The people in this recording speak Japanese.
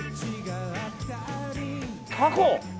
タコ！